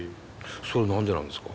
それ何でなんですか？